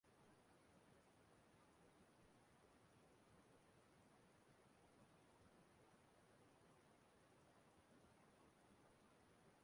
O merikwara "Green Awards for Excellence" maka ngalaba redio n'afọ ahụ.